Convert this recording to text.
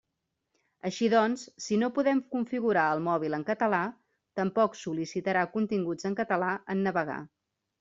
Així doncs, si no podem configurar el mòbil en català, tampoc sol·licitarà continguts en català en navegar.